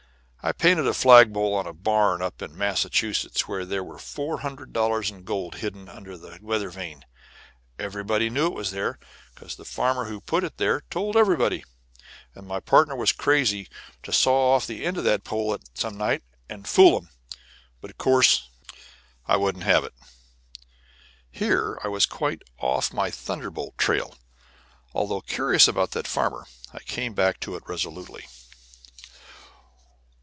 I painted a flagpole on a barn up in Massachusetts where there was four hundred dollars in gold hidden under the weather vane. Everybody knew it was there, because the farmer who put it there told everybody, and my partner was crazy to saw off the end of that pole some night and fool 'em, but of course I wouldn't have it." Here was I quite off my thunderbolt trail, and although curious about that farmer, I came back to it resolutely.